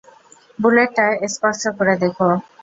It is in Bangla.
বুলেটটা স্পর্শ করে দেখো।